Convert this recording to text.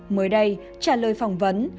mới đây trả lời phỏng vấn